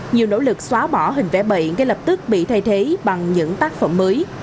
nhiều nỗ lực xóa bỏ hình vẽ bậy ngay lập tức bị thay thế bằng những tác phẩm mới